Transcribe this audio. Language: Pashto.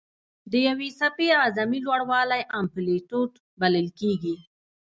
د یوې څپې اعظمي لوړوالی امپلیتیوډ بلل کېږي.